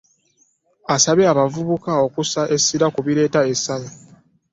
Asabye abavubuka okussa essira ku bireeta essanyu